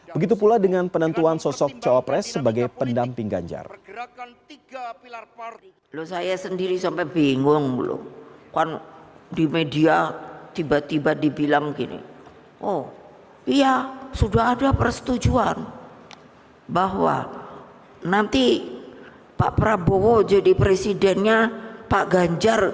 begitu pula dengan penentuan sosok capres sebagai pendamping ganjar